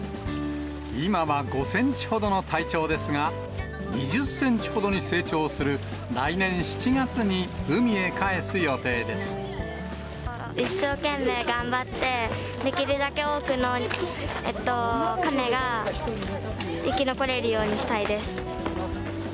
今は５センチほどの体長ですが、２０センチほどに成長する来年７月に、一生懸命頑張って、できるだけ多くのカメが生き残れるようにしたいです。